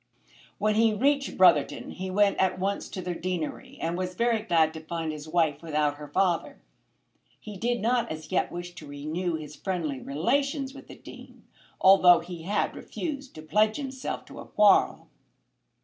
When he reached Brotherton he went at once to the deanery and was very glad to find his wife without her father. He did not as yet wish to renew his friendly relations with the Dean, although he had refused to pledge himself to a quarrel.